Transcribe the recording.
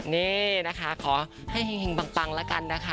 นี่นะคะขอให้เห็งปังแล้วกันนะคะ